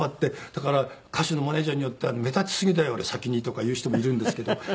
だから歌手のマネジャーによっては「目立ちすぎだよ先に」とか言う人もいるんですけど。